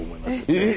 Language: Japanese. えっ。